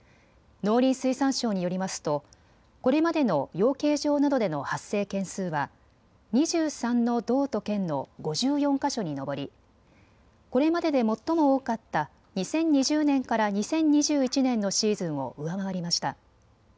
農林水産省によりますとこれまでの養鶏場などでの発生件数は２３の道と県の５４か所に上り、これまでで最も多かった２０２０年から２０２１年のシーズンを上回りました。